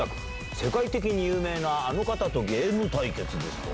世界的に有名なあの方とゲーム対決ですと。